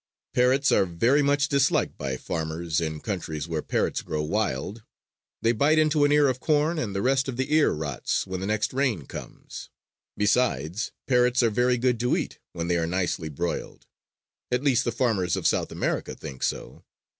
Parrots are very much disliked by farmers in countries where parrots grow wild. They bite into an ear of corn and the rest of the ear rots when the next rain comes. Besides, parrots are very good to eat when they are nicely broiled. At least the farmers of South America think so.